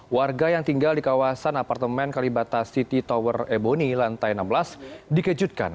warga yang tinggal di kawasan apartemen kalibata city tower ebony lantai enam belas dikejutkan